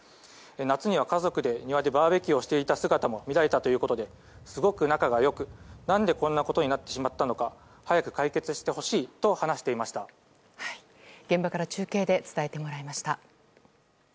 夏には家族で庭でバーベキューをしていた姿も見られたということですごく仲が良く、何でこんなことになってしまったのか早く解決してほしいと現場から中継で伝えてもらいました。